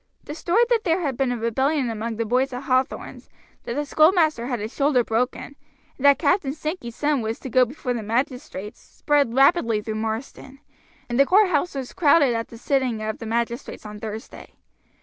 The story that there had been a rebellion among the boys at Hathorn's, that the schoolmaster had his shoulder broken, and that Captain Sankey's son was to go before the magistrates, spread rapidly through Marsden, and the courthouse was crowded at the sitting of the magistrates on Thursday.